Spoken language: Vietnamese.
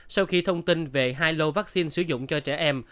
sau khi thông tin về hai lô vaccine sử dụng cho trẻ em